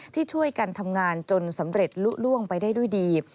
ที่ช่วยกันทำงานจนสำเร็จลุล่วงไปได้ด้วยดี